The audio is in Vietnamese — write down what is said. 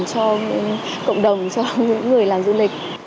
cho cộng đồng cho những người làm du lịch